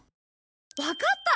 わかった！